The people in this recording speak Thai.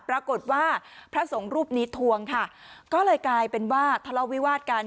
ปรากฏว่าพระสงฆ์รูปนี้ทวงค่ะก็เลยกลายเป็นว่าทะเลาะวิวาดกัน